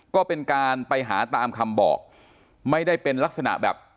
ก็เป็นการไปหาตามคำบอกไม่ได้เป็นลักษณะแบบ